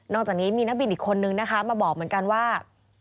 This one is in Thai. จากนี้มีนักบินอีกคนนึงนะคะมาบอกเหมือนกันว่า